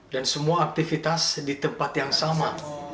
dan semua aktivitas di tempat yang sama